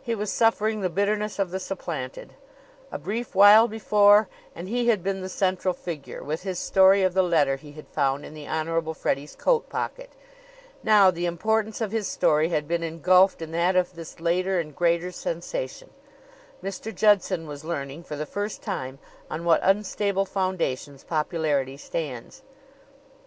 He was suffering the bitterness of the supplanted. A brief while before and he had been the central figure, with his story of the letter he had found in the Honorable Freddie's coat pocket. Now the importance of his story had been engulfed in that of this later and greater sensation, Mr. Judson was learning, for the first time, on what unstable foundations popularity stands.